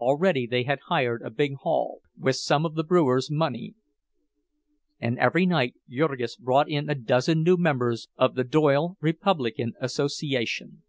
Already they had hired a big hall, with some of the brewer's money, and every night Jurgis brought in a dozen new members of the "Doyle Republican Association."